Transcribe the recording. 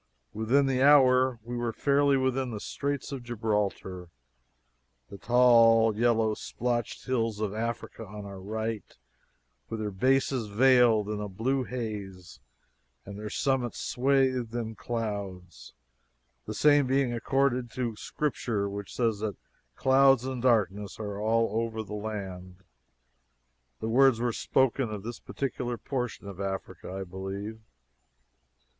Within the hour we were fairly within the Straits of Gibraltar, the tall yellow splotched hills of Africa on our right, with their bases veiled in a blue haze and their summits swathed in clouds the same being according to Scripture, which says that "clouds and darkness are over the land." The words were spoken of this particular portion of Africa, I believe.